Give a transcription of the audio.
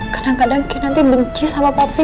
kadang kadang ki nanti benci sama papi